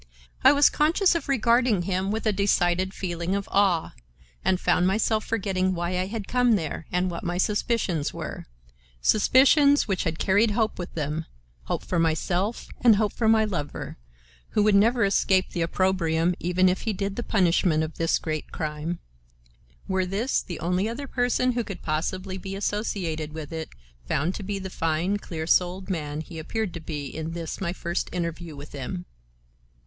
I was conscious of regarding him with a decided feeling of awe, and found myself forgetting why I had come there, and what my suspicions were,—suspicions which had carried hope with them, hope for myself and hope for my lover, who would never escape the opprobrium, even if he did the punishment, of this great crime, were this, the only other person who could possibly be associated with it, found to be the fine, clear souled man he appeared to be in this my first interview with him.